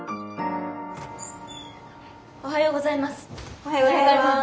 おはようございます。